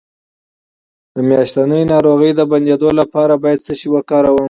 د میاشتنۍ ناروغۍ د بندیدو لپاره باید څه شی وکاروم؟